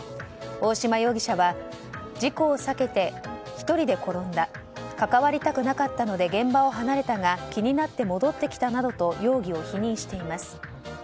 大島容疑者は事故を避けて１人で転んだ関わりたくなかったので現場を離れたが気になって戻ってきたなどと容疑を否認しています。